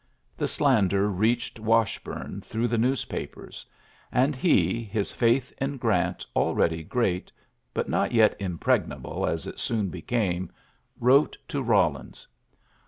'^ The slander reached ashbume through the newspapers; i he, his faith in Grant already great, b not yet impregnable as it soon be ne, wrote to Eawlins.